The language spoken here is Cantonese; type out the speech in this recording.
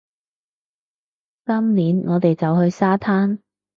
今年，我哋就去沙灘